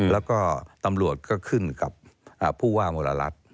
แล้วก็ตำรวจก็ขึ้นกับผู้ว่ามรรัฐ